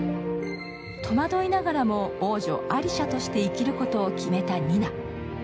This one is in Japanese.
戸惑いながらも王女・アリシャとして生きることを決めたニナ。